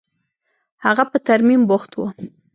هغه په ترميم بوخت و.